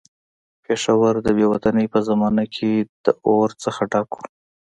پېښور د بې وطنۍ په زمانه کې د اور څخه ډک وو.